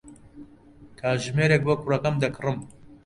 کاتژمێرێک بۆ کوڕەکەم دەکڕم.